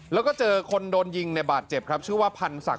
แล้วก็เจอคนโดนยิงในบาดเจ็บครับชื่อว่าพันธัก